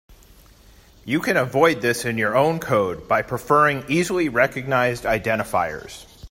You can avoid this in your own code by preferring easily recognized identifiers.